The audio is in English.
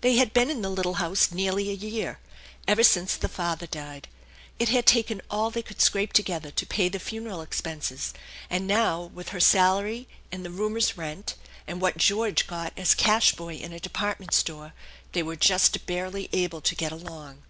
They had been in the little house nearly a year, ever since the father died. It had taken all they could scrape together to pay the funeral expenses, and now with her salary, and the roomer's rent, and what George got as cash boy in a depart ment store they were just barely able to get along.